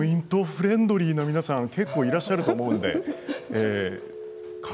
フレンドリーな皆さん結構いらっしゃると思いますので。